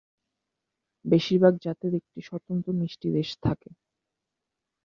বেশিরভাগ জাতের একটি স্বতন্ত্র মিষ্টি রেশ থাকে।